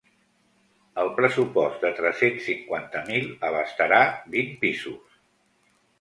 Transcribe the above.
El pressupost de tres-cents cinquanta mil abastarà vint pisos.